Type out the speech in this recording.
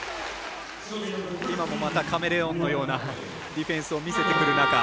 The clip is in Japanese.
今もまたカメレオンのようなディフェンスを見せてくる中